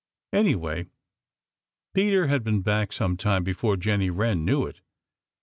Anyway, Peter had been back some time before Jenny Wren knew it.